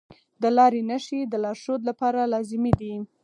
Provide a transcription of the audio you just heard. د لارې نښې د لارښود لپاره لازمي دي.